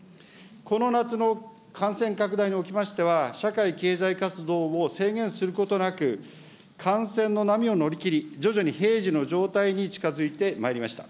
この夏の感染拡大におきましては、社会経済活動を制限することなく、感染の波を乗り切り、徐々に平時の状態に近づいてまいりました。